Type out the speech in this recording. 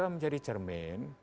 yang menjadi jermin